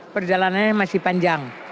perjalanannya masih panjang